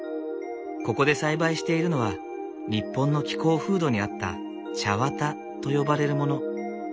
ここで栽培しているのは日本の気候風土に合った茶綿と呼ばれるもの。